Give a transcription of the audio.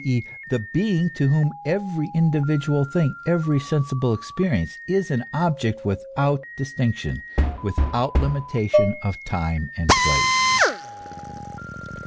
e., the being to whom every individual thing, every sensible existence, is an object without distinction, without limitation of time and place.